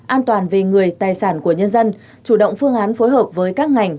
an toàn về người tài sản của nhân dân chủ động phương án phối hợp với các ngành